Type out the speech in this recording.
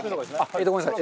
えっとごめんなさい。